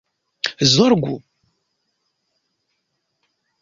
zorgu